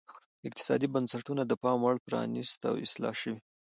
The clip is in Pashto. اقتصادي بنسټونه د پاموړ پرانیست او اصلاح شوي.